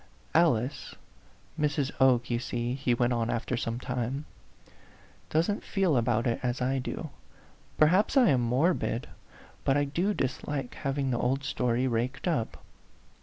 " Alice Mrs. Oke you see," he went on af ter some time, " doesn't feel about it as I do. Perhaps I am morbid. But I do dislike hav ing the old story raked up."